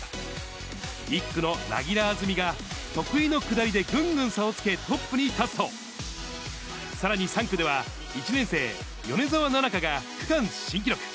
１区の柳樂あずみが得意の下りでぐんぐん差をつけトップに立つと、さらに３区では１年生、米澤奈々香が区間新記録。